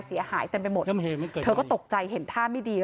เสียหายเต็มไปหมดเธอก็ตกใจเห็นท่าไม่ดี